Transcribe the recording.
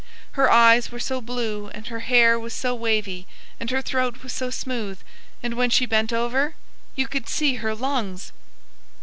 Her eyes were so blue and her hair was so wavy and her throat was so smooth, and when she bent over, "you could see her _lungs!